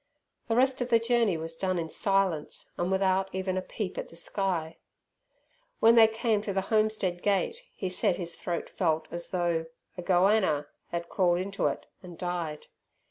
The rest of the journey was done in silence, and without even a peep at the sky. When they came to the homestead gate he said his throat felt as though a "goanner" had crawled into it and died.